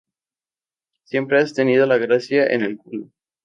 Siempre has tenido la gracia en el culo